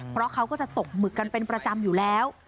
เพราะเขาก็จะตกหมึกกันเป็นประจำอยู่แล้ว